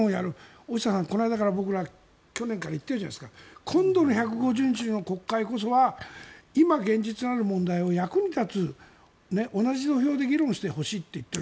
大下さん、この間から僕ら去年から言ってるじゃないですか今度の１５０日の国会こそは今現実にある問題を役に立つ同じ土俵で議論してほしいって言っている。